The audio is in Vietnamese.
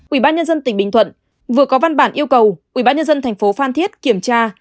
ubnd tỉnh bình thuận vừa có văn bản yêu cầu ubnd thành phố phan thiết kiểm tra